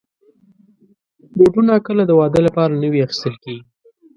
بوټونه کله د واده لپاره نوي اخیستل کېږي.